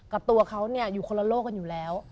กับตัวเขาอยู่คนละโลกกันอยู่แล้ว